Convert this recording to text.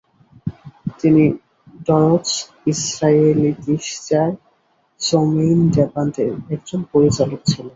তিনি ডয়চ-ইস্রায়েলিতিশ্চার জেমেইনডেবান্ড এর একজন পরিচালক ছিলেন।